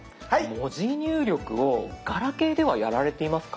文字入力をガラケーではやられていますか？